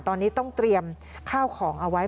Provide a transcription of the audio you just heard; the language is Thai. ตอนนี้ต้องเตรียมข้าวของเอาไว้